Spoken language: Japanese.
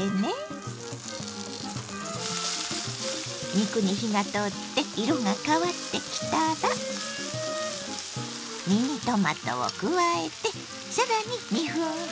肉に火が通って色が変わってきたらミニトマトを加えて更に２分ほど炒めます。